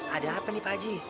ada apa nih pak ji